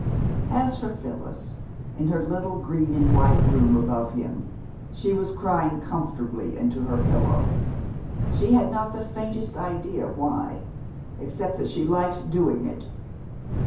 As for Phyllis, in her little green and white room above him, she was crying comfortably into her pillow. She had not the faintest idea why, except that she liked doing it.